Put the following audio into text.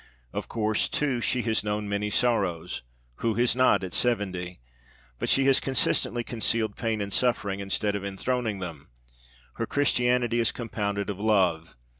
Of course, too, she has known many sorrows who has not at seventy? but she has consistently concealed pain and suffering instead of enthroning them. Her Christianity is compounded of Love.